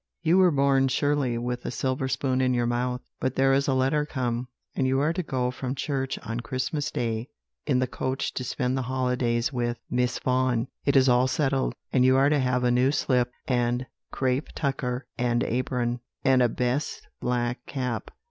You were born, surely, with a silver spoon in your mouth. But there is a letter come, and you are to go from church on Christmas Day in the coach to spend the holidays with Miss Vaughan. It is all settled; and you are to have a new slip, and crape tucker and apron, and a best black cap.